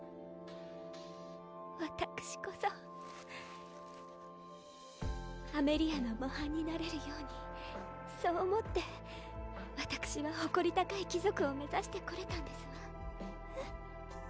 私こそアメリアの模範になれるようにそう思って私は誇り高い貴族を目指してこれたんですわえっ？